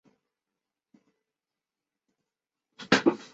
因时因势调整工作着力点和应对举措